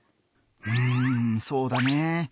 うんそうだね